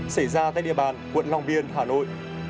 xảy ra tại địa bàn quận long biên hà nội